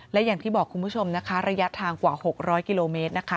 และอย่างที่บอกคุณผู้ชมนะคะระยะทางกว่า๖๐๐กิโลเมตรนะคะ